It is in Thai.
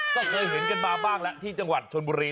ก็เคยเห็นกันมาบ้างแล้วที่จังหวัดชนบุรี